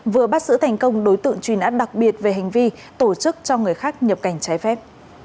vừa bắt giữ thành công đối tượng truy nã đặc biệt về hành vi tổ chức cho người khác nhập cảnh trái phép